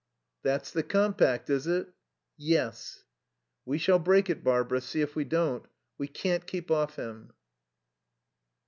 "That's the compact, is it?" "Yes." "We shall break it, Barbara; see if we don't. We can't keep off him."